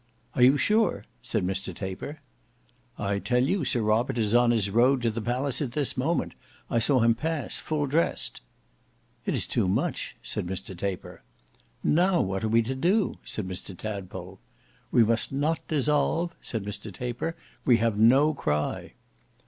"Are you sure?" said Mr Taper. "I tell you Sir Robert is on his road to the palace at this moment; I saw him pass, full dressed." "It is too much," said Mr Taper. "Now what are we to do?" said Mr Tadpole. "We must not dissolve," said Mr Taper. "We have no cry."